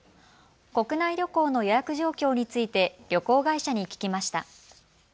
国内旅行の予約状況について旅行会社に聞きました。